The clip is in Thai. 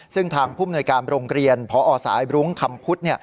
ซึ่งทางผู้มนวยการโรงเรียนพอสายบรุ้งคำพุทธ